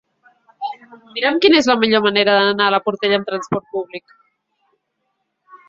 Mira'm quina és la millor manera d'anar a la Portella amb trasport públic.